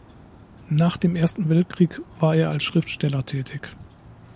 Nach dem Ersten Weltkrieg war er als Schriftsteller tätig.